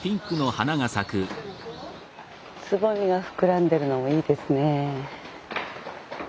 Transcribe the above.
つぼみが膨らんでるのもいいですね。